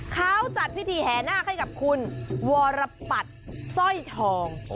เขาจัดพิธีแห่นาคให้กับคุณวรปัตรสร้อยทอง